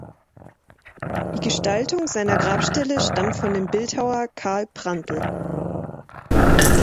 Die Gestaltung seiner Grabstelle stammt von dem Bildhauer Karl Prantl.